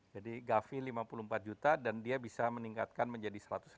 jadi gavi lima puluh empat juta dan dia bisa meningkatkan menjadi satu ratus delapan